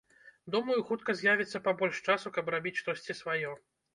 Думаю, хутка з'явіцца пабольш часу, каб рабіць штосьці сваё.